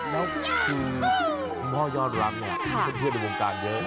แล้วคือคุณพ่อยอดรักเนี่ยเพื่อนในวงการเยอะ